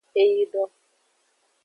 Egido.